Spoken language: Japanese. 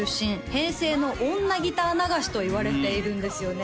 平成のおんなギター流しといわれているんですよね